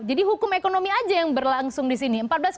jadi hukum ekonomi aja yang berlangsung di sini